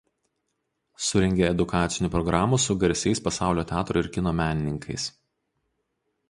Surengė edukacinių programų su garsiais pasaulio teatro ir kino menininkais.